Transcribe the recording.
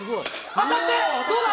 当たって、どうだ？